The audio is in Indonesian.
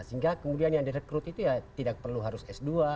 sehingga kemudian yang direkrut itu ya tidak perlu harus s dua